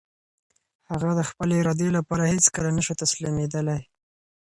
هغه د خپلې ارادې لپاره هېڅکله نه شو تسليمېدلی.